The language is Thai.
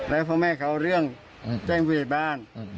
แล้วพอแม่เขาเรื่องแจ้งพิเศษบ้าน